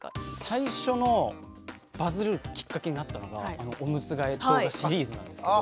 最初のバズるきっかけになったのがおむつ替え動画シリーズなんですけど。